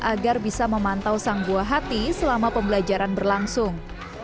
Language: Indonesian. agar bisa memantau sang buah hati selama pembelajaran berlangsung